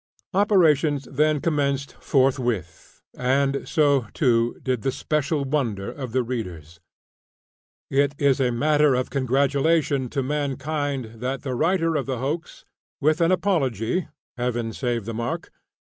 Operations then commenced forthwith, and so, too, did the "special wonder" of the readers. It is a matter of congratulation to mankind that the writer of the hoax, with an apology (Heaven save the mark!)